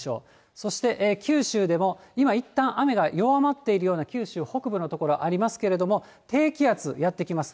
そして九州でも、今いったん雨が弱まっているような九州北部の所ありますけれども、低気圧やって来ます。